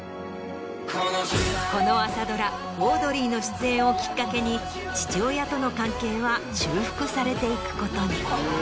この朝ドラ『オードリー』の出演をきっかけに父親との関係は修復されていくことに。